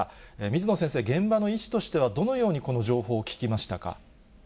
水野先生、現場の医師としてはどのようにこの情報を聞きましたか。